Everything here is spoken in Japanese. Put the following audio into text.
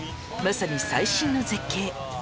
まさに最新の絶景！